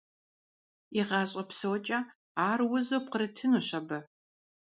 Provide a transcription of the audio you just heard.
И гъащӀэ псокӀэ ар узу пкърытынущ абы…